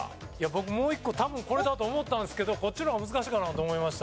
僕もう一個多分これだと思ったんですけどこっちの方が難しいかなと思いました。